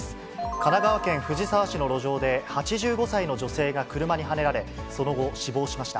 神奈川県藤沢市の路上で、８５歳の女性が車にはねられ、その後、死亡しました。